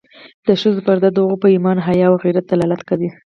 د ښځو پرده د هغوی په ایمان، حیا او غیرت دلالت کوي.